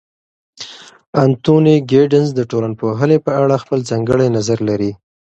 انتوني ګیدنز د ټولنپوهنې په اړه خپل ځانګړی نظر لري.